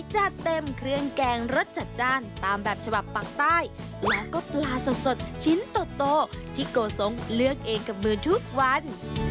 จัดเต็มเครื่องแกงรสจัดจ้านตามแบบฉบับปากใต้และก็ปลาสดชิ้นโตที่โกสงเลือกเองกับมือทุกวัน